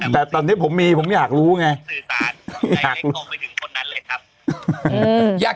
แบบนั้นเลยครับไม่มีอะไรเลย